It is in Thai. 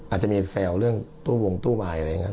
อาจจะมีแฟลวเรื่องตู้วงตู้วายอะไรอย่างนี้